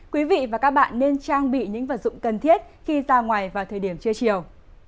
quý vị và các bạn nên trang bị những vật dụng cần thiết khi ra ngoài vào thời điểm trưa chiều